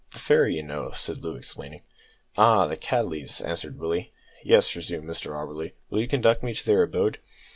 "The fairy, you know," said Loo, explaining. "Ah, the Cattleys," answered Willie. "Yes," resumed Mr Auberly. "Will you conduct me to their abode?"